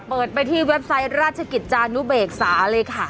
ไปที่เว็บไซต์ราชกิจจานุเบกษาเลยค่ะ